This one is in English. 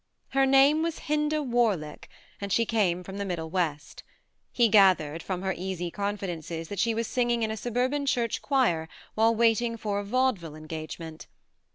Her name was Hinda Warlick, and she came from the Middle West. He gathered from her easy confidences that she was singing in a suburban church choir while waiting for a vaudeville engagement.